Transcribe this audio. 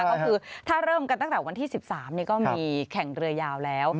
ก็คือถ้าเริ่มกันตั้งแต่วันที่๑๓ก็มีแข่งเรือยาวแล้ว